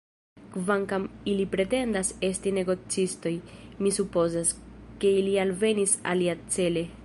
Kvankam ili pretendas esti negocistoj, mi supozas, ke ili alvenis aliacele.